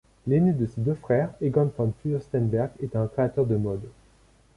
L'aîné de ses deux frères, Egon von Fürstenberg est un créateur de mode.